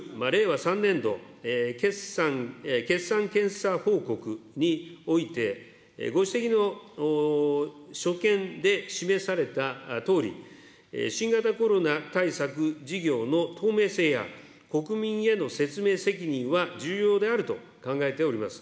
３年度決算検査報告において、ご指摘の所見で示されたとおり、新型コロナ対策事業の透明性や国民への説明責任は重要であると考えております。